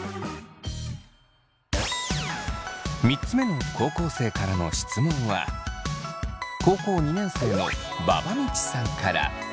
３つ目の高校生からの質問は高校２年生のばばみちさんから。